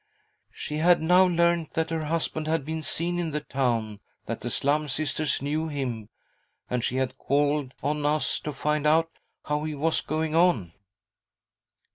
" She had now learnt that her husband had been seen in the town, that the Slum Sisters knew him, and she had called on us to find out how he was going 1 on.